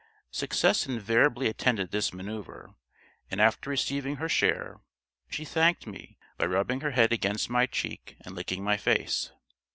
Success invariably attended this manœuvre; and after receiving her share, she thanked me by rubbing her head against my cheek, and licking my face.